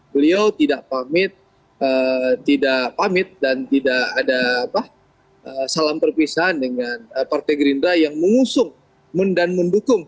beliau tidak pamit tidak pamit dan tidak ada salam perpisahan dengan partai gerindra yang mengusung dan mendukung